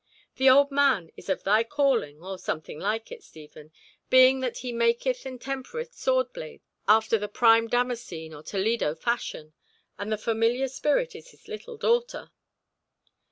"The old man is of thy calling, or something like it, Stephen, being that he maketh and tempereth sword blades after the prime Damascene or Toledo fashion, and the familiar spirit is his little daughter."